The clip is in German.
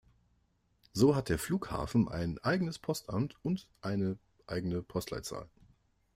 So hat der Flughafen ein eigenes Postamt und eine eigene Postleitzahl.